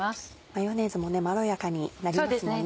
マヨネーズもまろやかになりますもんね。